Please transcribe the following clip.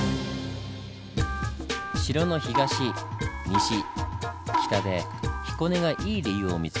城の東西北で彦根がイイ理由を見つけたタモリさん。